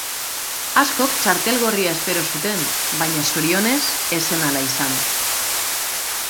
Askok txartel gorria espero zuten, baina zorionez ez zen ahala izan.